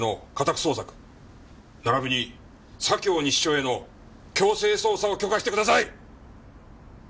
ならびに左京西署への強制捜査を許可してください！